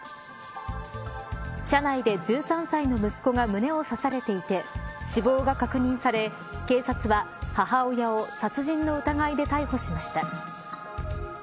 車内で１３歳の息子が胸を刺されていて死亡が確認され警察は、母親を殺人の疑いで逮捕しました。